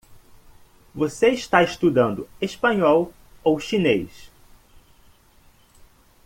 Você está estudando espanhol ou chinês?